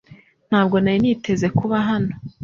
Ntabwo nari niteze kuba hano .